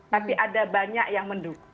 tapi ada banyak yang mendukung